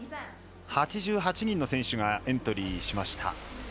８８人の選手がエントリーしました。